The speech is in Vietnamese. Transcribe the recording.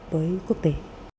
với quốc tế